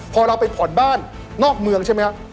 พอเราไปผ่อนบ้านนอกเมืองใช่ไหมครับ